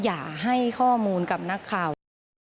อย่าให้ข้อมูลกับนักข่าวเลย